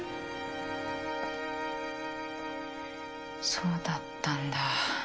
そうだったんだ。